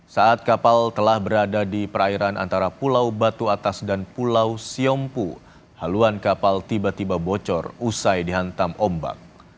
saat kapal telah berada di perairan antara pulau batu atas dan pulau siompu haluan kapal tiba tiba bocor usai dihantam ombak